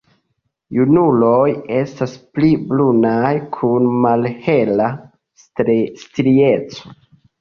Junuloj estas pli brunaj kun malhela strieco.